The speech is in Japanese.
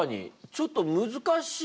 ちょっと難しい。